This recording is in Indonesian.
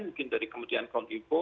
mungkin dari kemudian kontipo